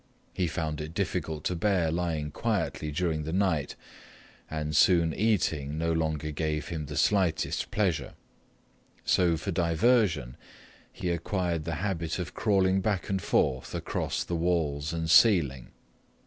He found it difficult to bear lying quietly during the night, and soon eating no longer gave him the slightest pleasure. So for diversion he acquired the habit of crawling back and forth across the walls and ceiling.